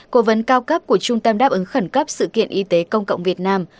cố vấn cao cấp của trung tâm đáp ứng khẩn cấp sự kiện y tế công cộng việt nam